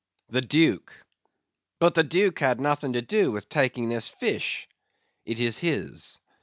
"The Duke." "But the duke had nothing to do with taking this fish?" "It is his."